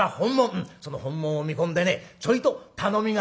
「うんその本物を見込んでねちょいと頼みが」。